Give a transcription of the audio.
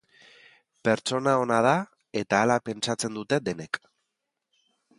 Pertsona ona da eta hala pentsatzen dute denek.